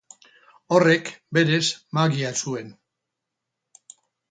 Horrek, berez, magia zuen.